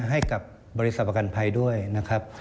ให้กับบริษัทประกันภัยด้วยนะครับ